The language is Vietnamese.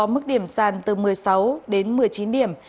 mức điểm sàn từ một mươi sáu đến một mươi chín điểm